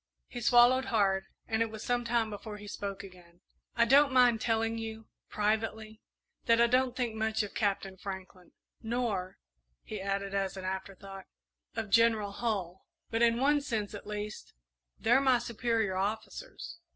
He swallowed hard, and it was some time before he spoke again. "I don't mind telling you, privately, that I don't think much of Captain Franklin, nor," he added, as an afterthought, "of General Hull; but, in one sense at least, they're my superior officers.